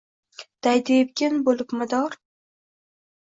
Daydi epkin boʼlib mador